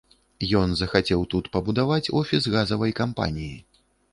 Ён захацеў тут пабудаваць офіс газавай кампаніі.